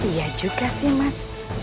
iya juga sih mas